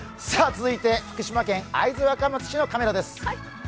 続いて福島県会津若松市のカメラです。